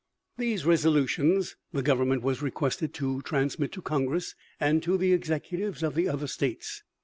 These resolutions the government was requested to transmit to Congress and to the executives of the other states.